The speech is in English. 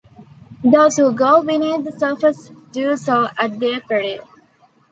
Those who go beneath the surface do so at their peril.